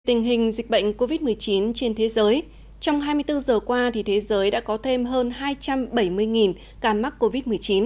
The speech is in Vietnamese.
tình hình dịch bệnh covid một mươi chín trên thế giới trong hai mươi bốn giờ qua thế giới đã có thêm hơn hai trăm bảy mươi ca mắc covid một mươi chín